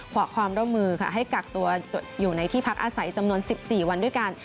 ขอความร่วมมือค่ะให้กักตัวอยู่ในที่พักอาศัยจำนวน๑๔วันด้วยกัน